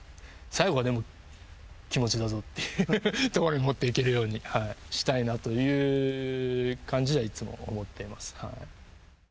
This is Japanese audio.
っていうところに持っていけるようにしたいなという感じではいつも思っています。